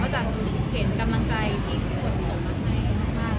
จังเห็นกำลังใจที่ทุกคนส่งมาให้มาก